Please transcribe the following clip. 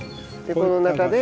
この中で。